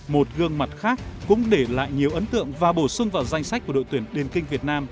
một gương mặt khác cũng để lại nhiều ấn tượng và bổ sung vào danh sách của đội tuyển điền kinh việt nam